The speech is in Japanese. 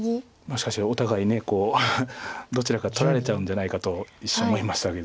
しかしお互いどちらか取られちゃうんじゃないかと一瞬思いましたけど。